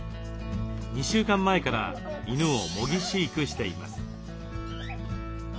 ２週間前から犬を模擬飼育しています。